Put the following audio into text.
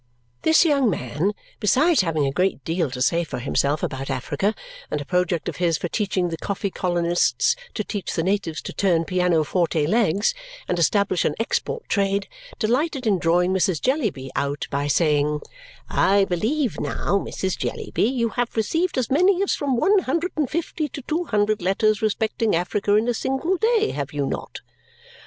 This young man, besides having a great deal to say for himself about Africa and a project of his for teaching the coffee colonists to teach the natives to turn piano forte legs and establish an export trade, delighted in drawing Mrs. Jellyby out by saying, "I believe now, Mrs. Jellyby, you have received as many as from one hundred and fifty to two hundred letters respecting Africa in a single day, have you not?"